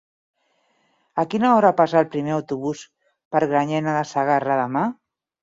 A quina hora passa el primer autobús per Granyena de Segarra demà?